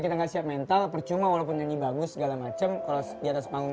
kita nggak siap mental percuma walaupun ini bagus segala macem kalau diatas panggung